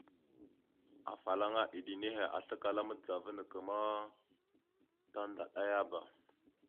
Afalaŋana iɗə nehe aslakala madəzava neke ma tandaɗayaba.